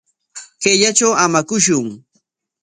Kayllatraw hamakushun.